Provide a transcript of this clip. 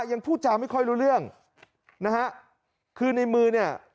ยังพูดจาไม่ค่อยรู้เรื่องนะฮะคือในมือเนี่ย